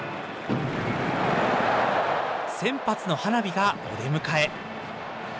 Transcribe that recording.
１０００発の花火がお出迎え。